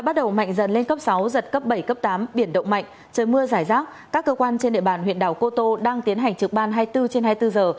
trên địa bàn huyện đảo cô tô đang tiến hành trực ban hai mươi bốn trên hai mươi bốn giờ